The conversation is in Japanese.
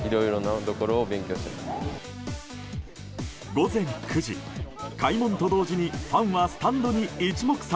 午前９時、開門と同時にファンはスタンドに一目散。